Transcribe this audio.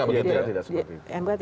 di mk tidak seperti itu